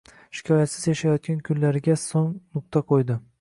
shikoyatsiz yashayotgan kunlariga so'ng nuqta qo'ydi.